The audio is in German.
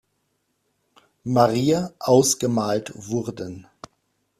Maria ausgemalt wurden.